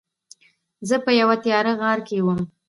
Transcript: زه په یوه تیاره غار کې وم.